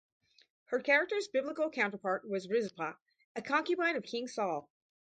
Her character's Biblical counterpart was Rizpah, a concubine of King Saul.